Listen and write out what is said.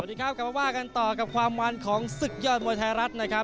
สวัสดีครับกลับมาว่ากันต่อกับความมันของศึกยอดมวยไทยรัฐนะครับ